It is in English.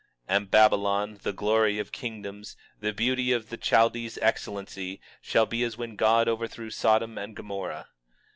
23:19 And Babylon, the glory of kingdoms, the beauty of the Chaldees' excellency, shall be as when God overthrew Sodom and Gomorrah.